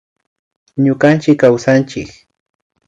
Ñukanchik kawsanchik